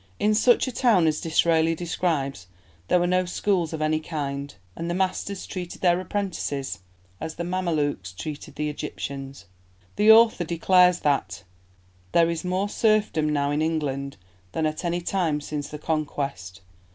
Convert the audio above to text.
In such a town as Disraeli describes there were no schools of any kind, and the masters treated their apprentices "as the Mamelouks treated the Egyptians." The author declares that "there is more serfdom now in England than at any time since the Conquest.